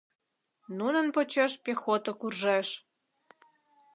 Нунын почеш пехото куржеш.